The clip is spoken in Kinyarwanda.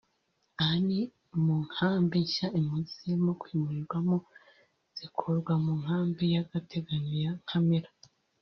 Aha ni mu nkambi nshya impunzi zirimo kwimurirwamo zikurwa mu Nkambi y’agateganyo ya Nkamira